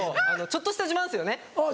ちょっとした自慢ですよね？